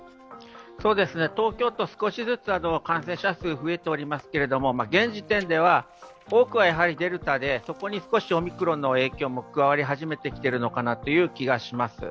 東京都、少しずつ感染者数が増えておりますけれども、現時点では多くはデルタで、そこに少しオミクロンの影響も加わり始めてきているのかなという気がします。